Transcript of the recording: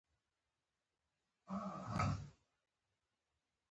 خديجې له لاس سره دې لږ پام کوه.